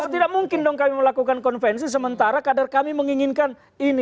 tidak mungkin dong kami melakukan konvensi sementara kader kami menginginkan ini